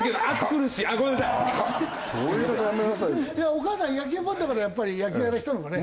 お母さん野球ファンだからやっぱり野球やらせたのかね？